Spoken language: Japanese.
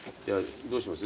どうします？